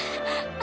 あ！